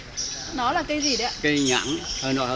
nó là cây gì đấy ạ